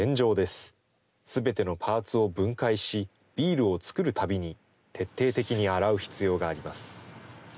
すべてのパーツを分解し、ビールを作るたびに徹底的に洗う必要があります。